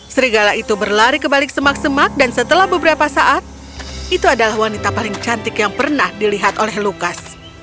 serigala itu berlari kebalik semak semak dan setelah beberapa saat itu adalah wanita paling cantik yang pernah dilihat oleh lukas